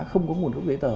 không có nguồn gốc giấy tờ